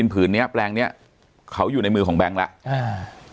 กลิ่นผืนเนี่ยแปลงเนี่ยเขาอยู่ในมือของแบงก์แล้ว